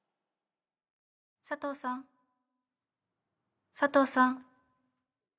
佐藤さん佐藤さん。